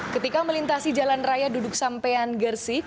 ketika melintasi jalan raya duduk sampean gersik